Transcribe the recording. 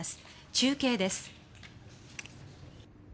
中継です。